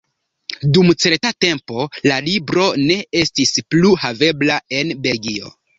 Dum certa tempo la libro ne estis plu havebla en Belgio.